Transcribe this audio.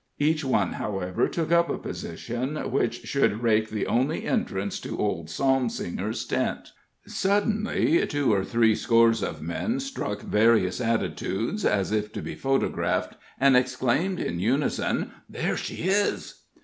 Each one, however, took up a position which should rake the only entrance to old Psalmsinger's tent. Suddenly, two or three scores of men struck various attitudes, as if to be photographed, and exclaimed in unison: "There she is!"